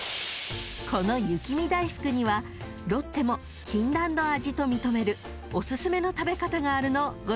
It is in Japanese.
［この雪見だいふくにはロッテも禁断の味と認めるおすすめの食べ方があるのをご存じですか？］